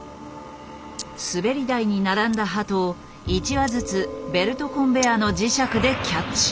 滑り台に並んだ鳩を１羽ずつベルトコンベヤーの磁石でキャッチ。